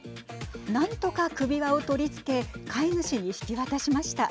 何とか首輪を取り付け飼い主に引き渡しました。